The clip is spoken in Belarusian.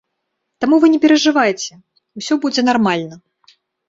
Таму вы не перажывайце, усё будзе нармальна.